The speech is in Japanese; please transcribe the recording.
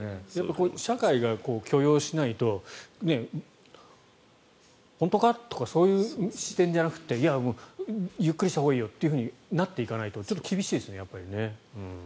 社会が許容しないと本当か？とかそういう視点じゃなくてゆっくりしたほうがいいよとなっていかないと厳しいですね、やっぱりね。